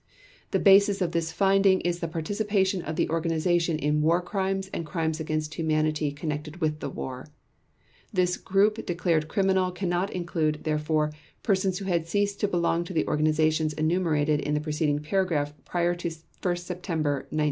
The basis of this finding is the participation of the organization in War Crimes and Crimes against Humanity connected with the war; this group declared criminal cannot include, therefore, persons who had ceased to belong to the organizations enumerated in the preceding paragraph prior to 1 September 1939.